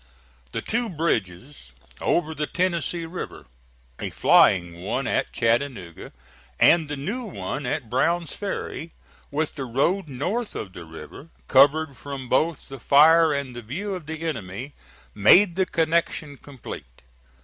The two bridges over the Tennessee River a flying one at Chattanooga and the new one at Brown's Ferry with the road north of the river, covered from both the fire and the view of the enemy, made the connection complete.